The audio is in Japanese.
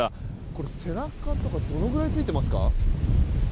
これ、背中とかどのぐらいついていますか。